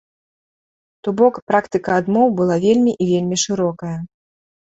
То бок, практыка адмоў была вельмі і вельмі шырокая.